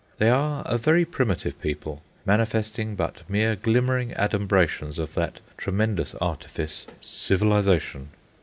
They are a very primitive people, manifesting but mere glimmering adumbrations of that tremendous artifice, Civilisation.